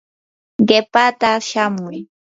qipaata shamuy.